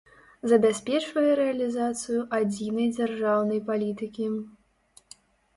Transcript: Забяспечвае рэалiзацыю адзiнай дзяржаўнай палiтыкi.